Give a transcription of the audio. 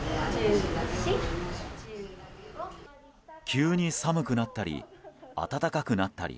急に寒くなったり暖かくなったり。